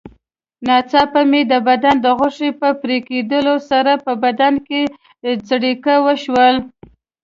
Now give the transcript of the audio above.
ناڅاپه مې د بدن د غوښې په پرېکېدلو سره په بدن کې څړیکه وشول.